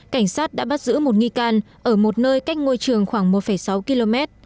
cảnh sát đã bắt giữ một nghi can ở một nơi cách ngôi trường khoảng một sáu km